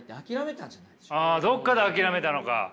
ああどっかで諦めたのか。